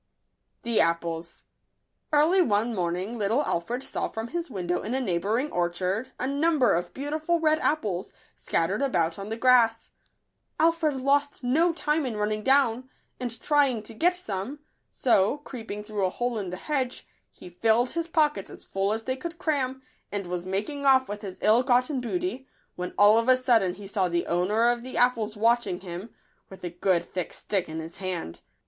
>vmn\ JLJL ©Jj* K ARLY one morning little Alfred saw from his window in a neigh bouring orchard a number of beau tiful red apples, scattered about on the grass. Alfred lost no time in running down, and trying to get some ; so, creeping through a hole in the hedge, he filled his pockets as full as they could cram, and was making off with his ill gotten booty, when all of a sudden he saw the owner of the apples watching him, with a good thick stick in his hand.